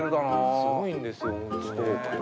すごいんですよ。